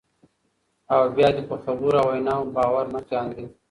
او بیا دې په خبرو او ویناوو باور نه کاندي،